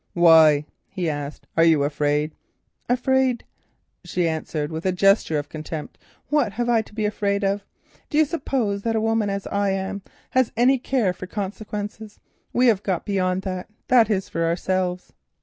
"Why?" he asked. "Are you afraid?" "Afraid!" she answered with a gesture of contempt, "what have I to be afraid of? Do you suppose such women as I am have any care for consequences? We have got beyond that—that is, for ourselves.